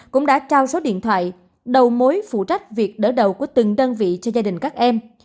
cũng đã trao số điện thoại đầu mối phụ trách việc đỡ đầu của từng đơn vị cho gia đình các em